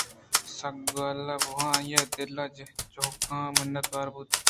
سکّ گلّ بوہان آئی ءِ دل ءِ جُہلانکاں مِنّتوار بُوت